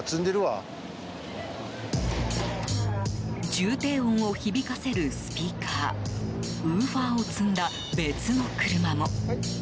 重低音を響かせるスピーカーウーファーを積んだ別の車も。